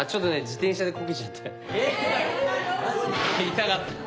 痛かった。